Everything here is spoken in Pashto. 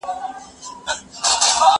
هغه وويل چي کالي پاک دي؟